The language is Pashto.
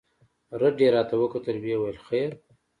رډ يې راته وکتل ويې ويل خير.